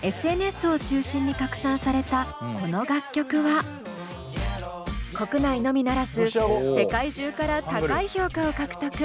２０２１年１２月ＳＮＳを中心に拡散されたこの楽曲は国内のみならず世界中から高い評価を獲得。